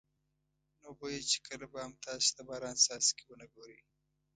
نو بویه چې کله به هم تاسې د باران څاڅکي ونه ګورئ.